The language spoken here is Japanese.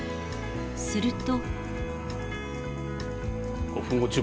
すると。